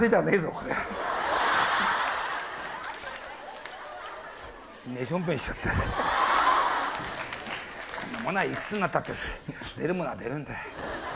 こんなものは幾つになったって出るものは出るんだよ。